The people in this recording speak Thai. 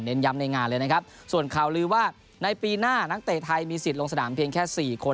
ย้ำในงานเลยนะครับส่วนข่าวลือว่าในปีหน้านักเตะไทยมีสิทธิ์ลงสนามเพียงแค่๔คน